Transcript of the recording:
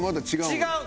違う。